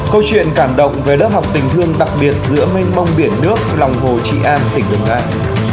câu chuyện cảm động về đất học tỉnh thương đặc biệt giữa mênh bông biển nước lòng hồ trị an tỉnh đồng an